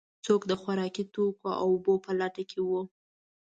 څوک د خوراکي توکو او اوبو په لټه کې و.